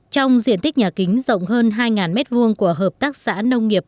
trong diện tích nhà kính rộng hơn hai m hai của hợp tác xã nông nghiệp